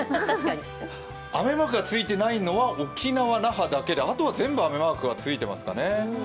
雨マークがついてないのは沖縄・那覇だけであとは全部雨マークがついてますかね。